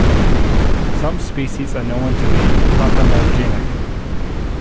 Some species are known to be parthenogenetic.